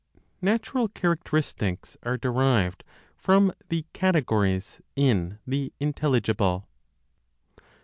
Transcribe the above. NATURAL CHARACTERISTICS ARE DERIVED FROM THE CATEGORIES IN THE INTELLIGIBLE.